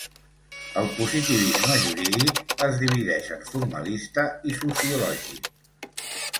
El positivisme jurídic es divideix en formalista i sociològic.